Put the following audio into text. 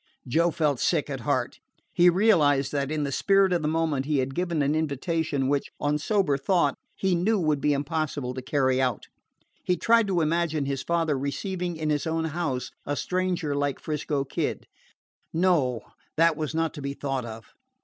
Joe felt sick at heart. He realized that in the spirit of the moment he had given an invitation which, on sober thought, he knew would be impossible to carry out. He tried to imagine his father receiving in his own house a stranger like 'Frisco Kid no, that was not to be thought of.